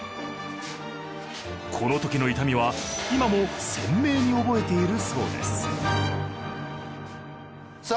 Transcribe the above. このときの痛みは今も鮮明に覚えているそうですさあ